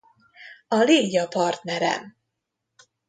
A Légy a partnerem!